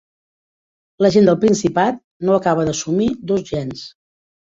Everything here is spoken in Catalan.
La gent del principat no acaba d'assumir dos gens.